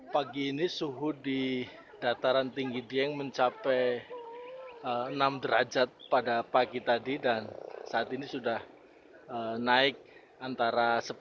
pagi ini suhu di dataran tinggi dieng mencapai enam derajat pada pagi tadi dan saat ini sudah naik antara sepuluh